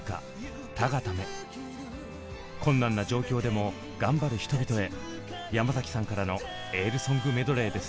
困難な状況でも頑張る人々へ山崎さんからのエールソングメドレーです。